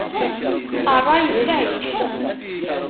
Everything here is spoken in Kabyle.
Ṛṛay d lɛic.